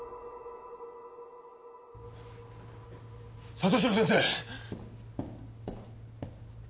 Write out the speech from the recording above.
里城先生！